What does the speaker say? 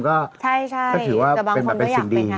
แต่มมรอยอยักษ์นะฮะถือว่าเป็นสิ่งดี